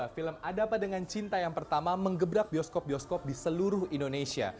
film ada apa dengan cinta yang pertama mengebrak bioskop bioskop di seluruh indonesia